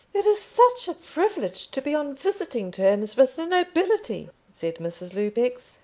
"It is such a privilege to be on visiting terms with the nobility," said Mrs. Lupex.